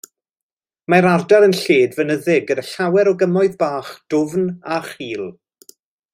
Mae'r ardal yn lled fynyddig gyda llawer o gymoedd bach, dwfn a chul.